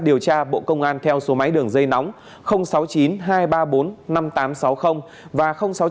điều tra bộ công an theo số máy đường dây nóng sáu mươi chín hai trăm ba mươi bốn năm nghìn tám trăm sáu mươi và sáu mươi chín hai trăm ba mươi hai một trăm sáu mươi sáu